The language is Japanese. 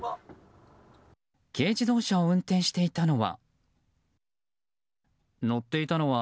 軽自動車を運転していたのは。